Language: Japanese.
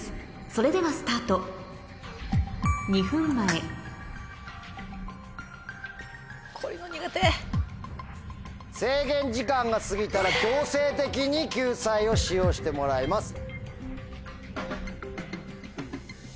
それではスタート２分前制限時間が過ぎたら強制的に救済を使用してもらいます。